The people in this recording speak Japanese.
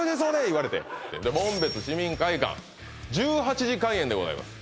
言われて紋別市民会館１８時開演でございます